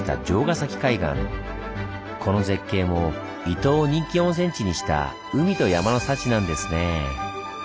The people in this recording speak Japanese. この絶景も伊東を人気温泉地にした「海と山の幸」なんですねぇ。